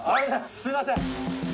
すみません。